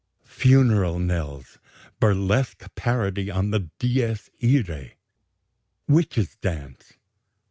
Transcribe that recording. Funeral knells, burlesque parody on the Dies iræ. Witches' dance.